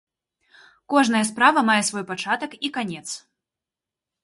Кожная справа мае свой пачатак і канец.